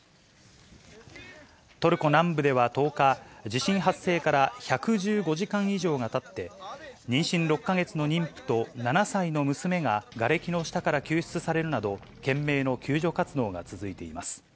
トルコ南部では１０日、地震発生から１１５時間以上がたって、妊娠６か月の妊婦と、７歳の娘ががれきの下から救出されるなど、懸命の救助活動が続いています。